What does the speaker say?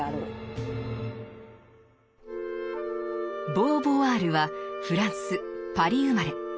ボーヴォワールはフランス・パリ生まれ。